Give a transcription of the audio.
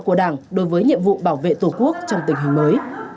của đảng đối với nhiệm vụ bảo vệ tổ quốc trong tình hình mới